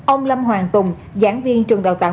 ông lâm hoàng tùng giảng viên trường đào tạo